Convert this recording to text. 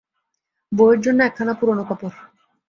বউয়ের জন্যে একখানা পুরোনো কাপড়।